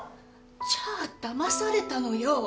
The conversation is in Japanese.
じゃあだまされたのよ。